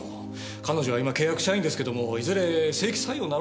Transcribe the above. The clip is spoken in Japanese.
彼女は今契約社員ですけどもいずれ正規採用になろうって。